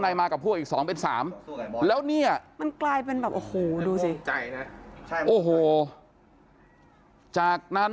นี่หน้าแมนชั่นน่ะ